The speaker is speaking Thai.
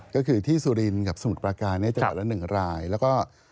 ก็คือที่สุรินฯกับสมุทรปาการ์จังหวัดละ๑ราย